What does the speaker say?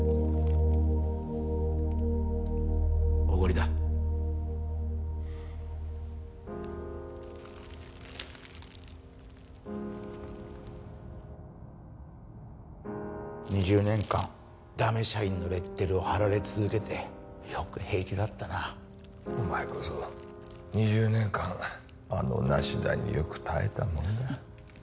おごりだ２０年間ダメ社員のレッテルを貼られ続けてよく平気だったなお前こそ２０年間あの梨田によく耐えたもんだ